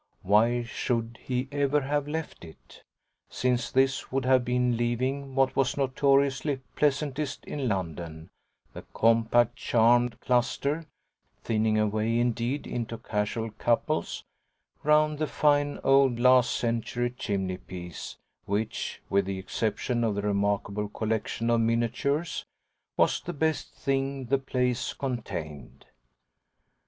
Why should he ever have left it? since this would have been leaving what was notoriously pleasantest in London, the compact charmed cluster (thinning away indeed into casual couples) round the fine old last century chimney piece which, with the exception of the remarkable collection of miniatures, was the best thing the place contained.